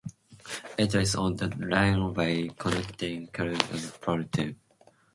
It is on the railway connecting Kharkiv and Poltava.